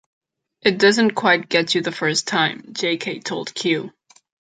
"It doesn't quite get you the first time," Jay Kay told "Q".